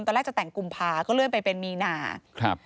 ตอนแรกจะแต่งกุมภาก็เลื่อนไปเป็นมีนาครับ